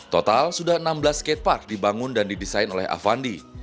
total sudah enam belas skatepark dibangun dan didesain oleh avandi